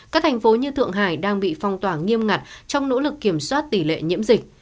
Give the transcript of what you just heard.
các thành phố như thượng hải đang bị phong tỏa nghiêm ngặt trong nỗ lực kiểm soát tỷ lệ nhiễm dịch